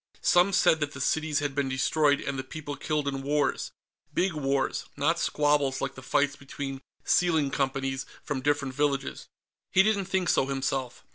Some said that the cities had been destroyed and the people killed in wars big wars, not squabbles like the fights between sealing companies from different villages. He didn't think so, himself.